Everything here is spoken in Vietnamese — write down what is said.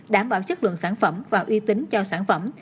đảm bảo chất lượng sản phẩm và uy tín cho sản phẩm